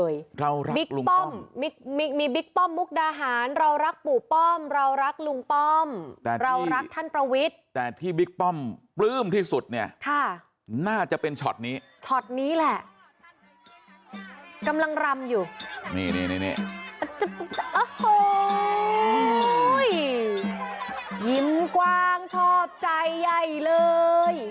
ยิ้มกว้างชอบใจใหญ่เลย